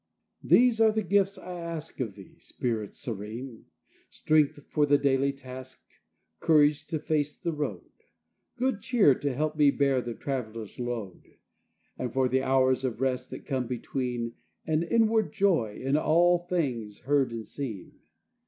VI These are the gifts I ask Of thee, Spirit serene: Strength for the daily task, Courage to face the road, Good cheer to help me bear the traveller's load, And, for the hours of rest that come between, An inward joy in all things heard and seen.